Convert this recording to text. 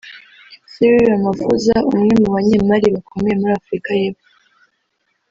Cyril Ramaphosa umwe mu banyemari bakomeye muri Afurika y’Epfo